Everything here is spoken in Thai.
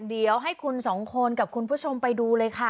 เดี๋ยวให้คุณสองคนกับคุณผู้ชมไปดูเลยค่ะ